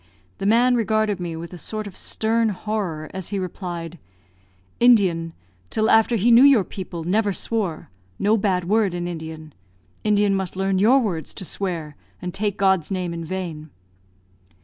The man regarded me with a sort of stern horror, as he replied, "Indian, till after he knew your people, never swore no bad word in Indian. Indian must learn your words to swear and take God's name in vain."